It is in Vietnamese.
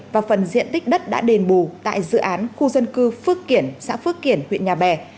và phần diện tích đất đã đền bù tại dự án khu dân cư phước kiển xã phước kiển huyện nhà bè